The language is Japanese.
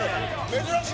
珍しい。